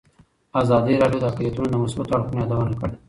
ازادي راډیو د اقلیتونه د مثبتو اړخونو یادونه کړې.